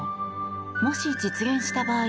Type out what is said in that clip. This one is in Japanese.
もし実現した場合